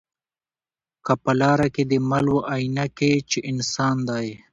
که په لاره کی دي مل وو آیینه کي چي انسان دی